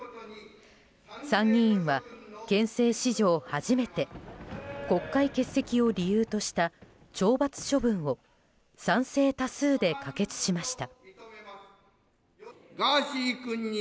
参議院は憲政史上初めて国会欠席を理由とした懲罰処分を賛成多数で可決しました。